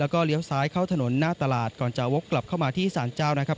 แล้วก็เลี้ยวซ้ายเข้าถนนหน้าตลาดก่อนจะวกกลับเข้ามาที่สารเจ้านะครับ